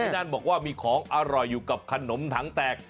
นั่นบอกว่ามีของอร่อยอยู่กับขนมถังแตก